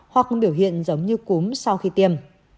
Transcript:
hoặc biểu hiện giống như cúm sau khi tiêm